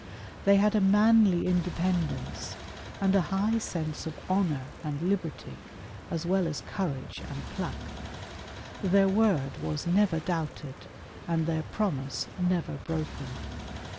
They had a manly independence and a high sense of honor and liberty, as well as courage and pluck. Their word was never doubted and their promise never broken.